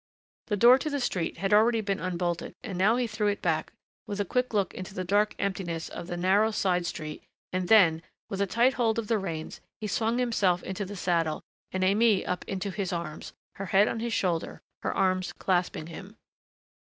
The door to the street had already been unbolted and now he threw it back with a quick look into the dark emptiness of the narrow side street, and then, with a tight hold of the reins, he swung himself into the saddle and Aimée up into his arms, her head on his shoulder, her arms clasping him.